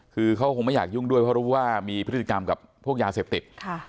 คือเขาคงไม่อยากยุ่งด้วยเพราะรู้ว่ามีพฤติกรรมกับพวกยาเสพติด